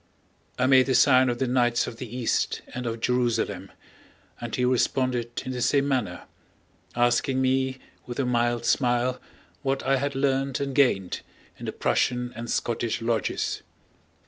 I made the sign of the Knights of the East and of Jerusalem, and he responded in the same manner, asking me with a mild smile what I had learned and gained in the Prussian and Scottish lodges.